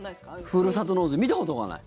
ふるさと納税見たことがない。